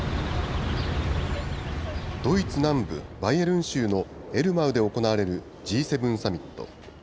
ドイツ南部バイエルン州のエルマウで行われるＧ７サミット。